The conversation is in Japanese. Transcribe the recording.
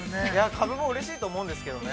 ◆株もうれしいと思うんですけどね。